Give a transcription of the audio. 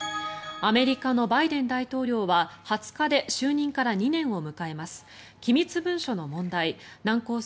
アメリカのバイデン大統領は２０日で就任から２年を迎えます。